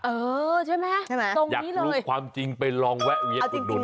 เออใช่มั้ยอยากรู้ความจริงไปลองแวะเวียดดุลเขาได้